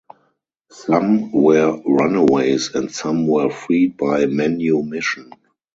Some were runaways and some were freed by manumission.